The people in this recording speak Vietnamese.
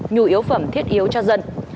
nhu yếu phẩm thiết yếu cho dân